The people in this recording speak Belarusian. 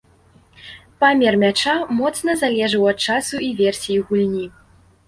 Памер мяча моцна залежаў ад часу і версіі гульні.